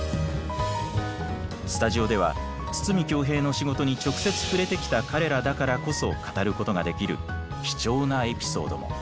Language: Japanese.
スタジオでは筒美京平の仕事に直接触れてきた彼らだからこそ語ることができる貴重なエピソードも。